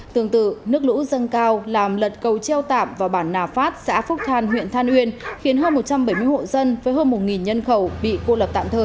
tương tự nước lũ dâng cao làm lật cầu treo tạm vào bản nà phát xã phúc than huyện than uyên khiến hơn một trăm bảy mươi hộ dân với hơn một nhân khẩu bị cô lập tạm thời